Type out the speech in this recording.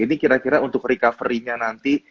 ini kira kira untuk recovery nya nanti